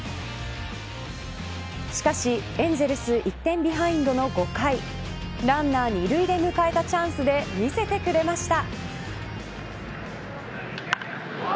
しかし、エンゼルス１点ビハインドの５回ランナー２塁で迎えたチャンスで見せてくれました。